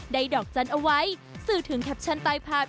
ดอกจันทร์เอาไว้สื่อถึงแคปชั่นใต้ภาพ